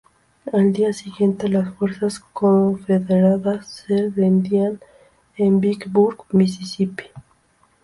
Al día siguiente las fuerzas Confederadas se rendían en Vicksburg, Misisipi.